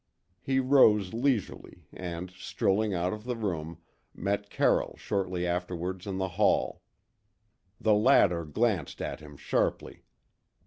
He rose leisurely and, strolling out of the room, met Carroll shortly afterwards in the hall. The latter glanced at him sharply.